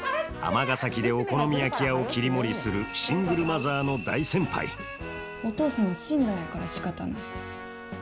尼崎でお好み焼き屋を切り盛りするシングルマザーの大先輩お父さんは死んだんやからしかたない。